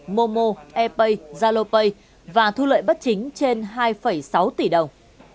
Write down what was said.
momo e pay zalopay và thu lợi bất chính trên hai sáu tỷ đồng